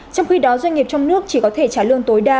trong khi đó doanh nghiệp trong nước chỉ có thể trả lương tối đa